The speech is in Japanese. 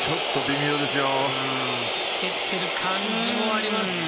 微妙ですよ。